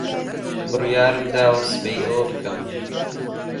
بڕیارم داوە سبەی ئەوە بکەم.